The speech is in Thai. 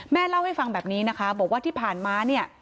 แม่เล่าให้ฟังแบบนี้นะคะบอกว่าที่ผ่านมา